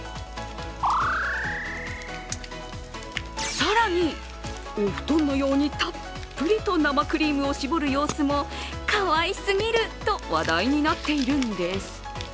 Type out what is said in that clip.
更に、お布団のようにたっぷりと生クリームを絞る様子もかわいすぎると話題になっているんです。